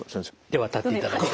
では立っていただいて。